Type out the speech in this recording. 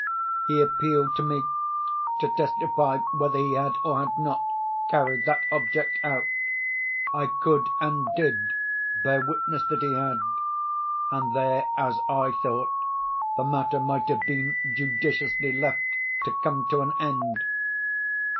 He appealed to me to testify whether he had, or had not, carried that object out. I could, and did, bear witness that he had. And there, as I thought, the matter might have been judiciously left to come to an end.